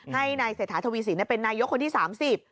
ให้นายเศรษฐาทวีสินเป็นนายกคนที่สามสิบ